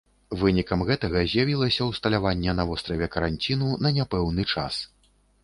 Вынікам гэтага з'явілася ўсталяванне на востраве каранціну на няпэўны час.